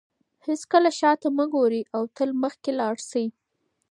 هیڅکله شاته مه ګورئ او تل مخکې لاړ شئ.